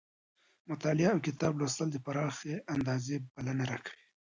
مطالعه اوکتاب لوستل د پراخې اندازې بلنه راکوي.